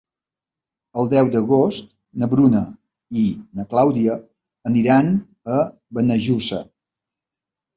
El deu d'agost na Bruna i na Clàudia aniran a Benejússer.